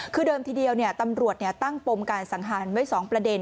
คือเดิมทีเดียวตำรวจตั้งปมการสังหารไว้๒ประเด็น